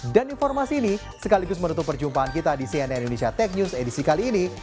dan informasi ini sekaligus menutup perjumpaan kita di cnn indonesia tech news edisi kali ini